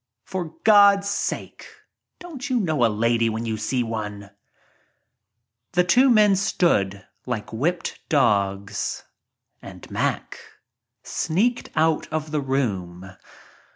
"For God's sake, don't you know a lady when you see one ?" The two men stood like whipped dogs and Mack sneaked out of the room.